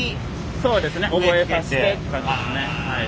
そうですね覚えさせてって感じですね。